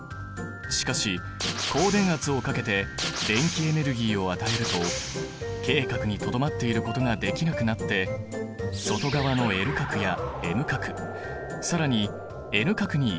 しかし高電圧をかけて電気エネルギーを与えるとＫ殻にとどまっていることができなくなって外側のＬ殻やＭ殻更にＮ殻に移動してしまうんだ。